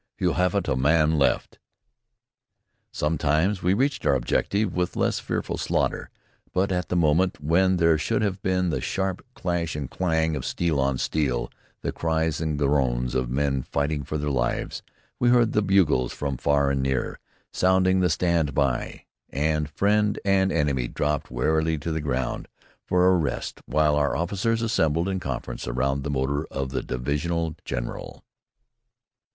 You haven't a man left!" Sometimes we reached our objective with less fearful slaughter, but at the moment when there should have been the sharp clash and clang of steel on steel, the cries and groans of men fighting for their lives, we heard the bugles from far and near, sounding the "stand by," and friend and enemy dropped wearily to the ground for a rest while our officers assembled in conference around the motor of the divisional general.